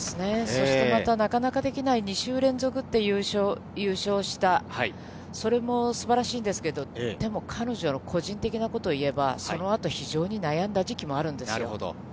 そしてまた、なかなかできない２週連続っていう優勝した、それもすばらしいんですけど、でも彼女の個人的なことを言えば、そのあと非常に悩んだ時期もあるんですよ。